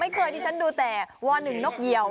ไม่เคยอันนี้ฉันดูแต่ว่าหนึ่งนกเยียว